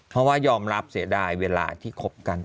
เพราะว่ายอมรับเสียดายเวลาที่คบกัน